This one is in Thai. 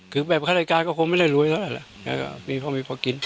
คือแบบข้ารายการก็คงไม่ได้รวยเท่าไหร่ล่ะแล้วก็มีพอมีพอกิน